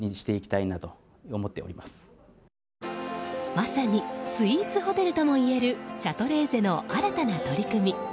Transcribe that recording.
まさにスイーツホテルともいえるシャトレーゼの新たな取り組み。